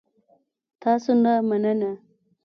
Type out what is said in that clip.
تاسو نه مننه